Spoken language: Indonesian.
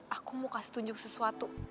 aku mau kasih tunjuk sesuatu